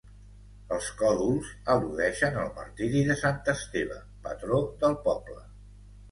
Els còdols al·ludeixen al martiri de sant Esteve, patró del poble.